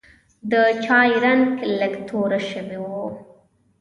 د چای رنګ لږ توره شوی و.